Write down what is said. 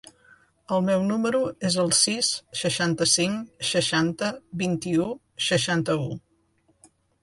El meu número es el sis, seixanta-cinc, seixanta, vint-i-u, seixanta-u.